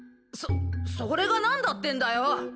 そそれが何だってんだよ。